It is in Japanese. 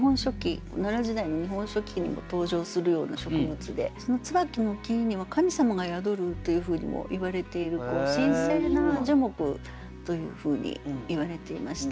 奈良時代の「日本書紀」にも登場するような植物でその椿の木にも神様が宿るというふうにもいわれている神聖な樹木というふうにいわれていました。